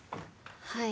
はい。